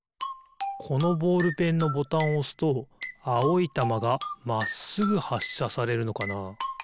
このボールペンのボタンをおすとあおいたまがまっすぐはっしゃされるのかな？